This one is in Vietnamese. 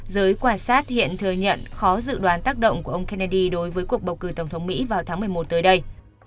giới quan sát hiện thừa nhận khó dự đoán tác động của ông kennedy đối với cuộc bầu cử tổng thống mỹ vào tháng một mươi một tới đây